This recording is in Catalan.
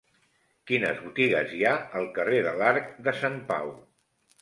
Quines botigues hi ha al carrer de l'Arc de Sant Pau?